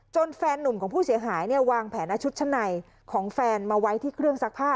แฟนนุ่มของผู้เสียหายเนี่ยวางแผนเอาชุดชั้นในของแฟนมาไว้ที่เครื่องซักผ้า